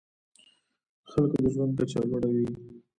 د خلکو د ژوند کچه لوړوي.